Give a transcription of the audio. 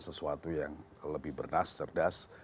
sesuatu yang lebih bernas cerdas